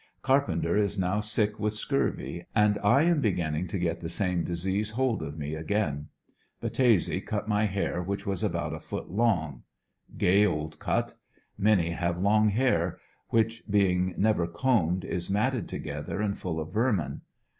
Carpenter is now sick with scurvy, and I am beginning to get the same disease hold of me again. Battese cut my hair which was about a foot long. Gay old cut. Many have long hair, which, being never combed, is matted together and full of vermin.